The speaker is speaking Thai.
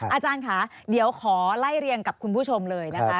อาจารย์ค่ะเดี๋ยวขอไล่เรียงกับคุณผู้ชมเลยนะคะ